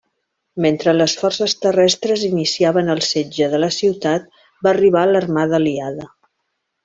Mentre les forces terrestres iniciaven el setge de la ciutat, va arribar l'armada aliada.